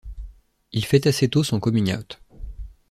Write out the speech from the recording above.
Il fait assez tôt son coming out.